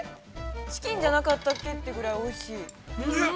チキンじゃなかったっけ？っていうぐらいおいしい。